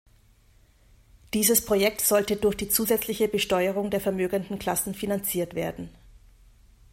Dieses Projekt sollte durch die zusätzliche Besteuerung der vermögenden Klassen finanziert werden.